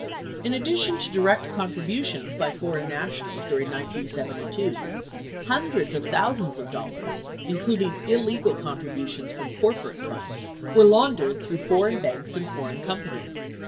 In addition to direct contributions by foreign nationals during 1972, hundreds of thousands of dollars, including illegal contributions from corporate funds, were laundered through foreign banks and foreign companies.